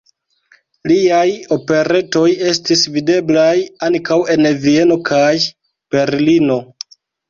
Liaj operetoj estis videblaj ankaŭ en Vieno kaj Berlino.